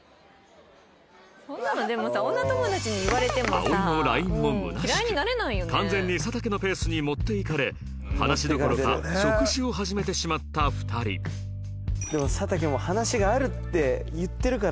葵の ＬＩＮＥ もむなしく完全に佐竹のペースに持っていかれ話どころか食事を始めてしまった２人でも佐竹も話があるって言ってるから。